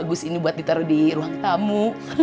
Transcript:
bus ini buat ditaruh di ruang tamu